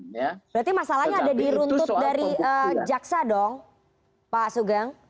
berarti masalahnya ada di runtut dari jaksa dong pak sugeng